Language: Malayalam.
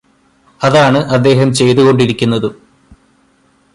അതാണ് അദ്ദേഹം ചെയ്തുകൊണ്ടിരിക്കുന്നതും